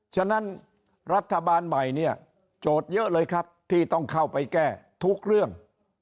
ฉะนั้นรัฐบาลใหม่เนี่ยโจทย์เยอะเลยครับที่ต้องเข้าไปแก้ทุกเรื่อง